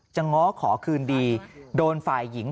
ง้อขอคืนดีโดนฝ่ายหญิง